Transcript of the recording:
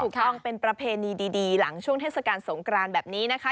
ถูกต้องเป็นประเพณีดีหลังช่วงเทศกาลสงกรานแบบนี้นะคะ